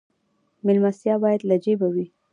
میلمستیا باید له جیبه وي